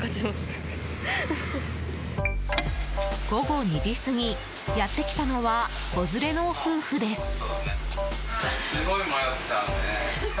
午後２時過ぎやってきたのは子連れの夫婦です。